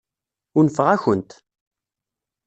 Unfeɣ-akent.